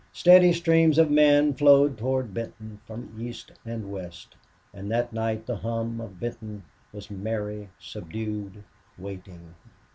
Steady streams of men flowed toward Benton from east and west; and that night the hum of Benton was merry, subdued, waiting.